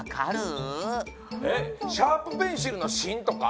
えっシャープペンシルのしんとか？